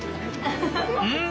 うん！